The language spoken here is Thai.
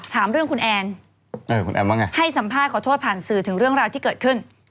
ถามเรื่องคุณแอนให้สัมภาษณ์ขอโทษผ่านสื่อถึงเรื่องราวที่เกิดขึ้นคุณแอนว่าไง